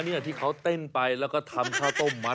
เนี่ยที่เขาเต้นไปแล้วก็ทำข้าวต้มมัด